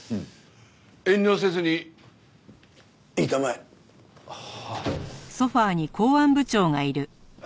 遠慮せずに言いたまえ。はあ。